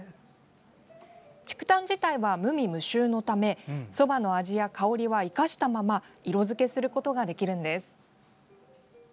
竹炭自体は無味無臭のためそばの味や香りは生かしたまま色付けすることができるんです。